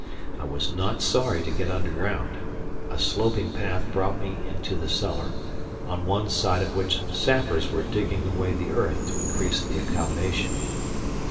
I was not sorry to get underground. A sloping path brought me into the cellar, on one side of which sappers were digging away the earth to increase the accommodation.